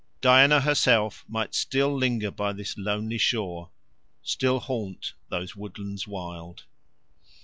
Diana herself might still linger by this lonely shore, still haunt these woodlands wild.